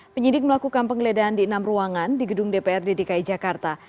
penyidik melakukan penggeledahan di enam ruangan di gedung dprd dki jakarta